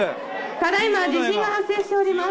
ただ今地震が発生しております。